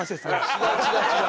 違う違う違う。